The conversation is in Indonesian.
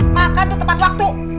makan tuh tepat waktu